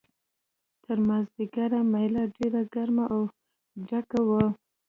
تر مازیګره مېله ډېره ګرمه او ډکه وه.